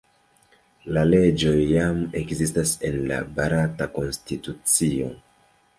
La leĝoj jam ekzistas en la barata konstitucio.